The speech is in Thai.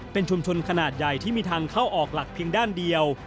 เป็นชุมชนขนาดใหญ่ที่มีทางเข้าออกหลักเพียงด้านเดียว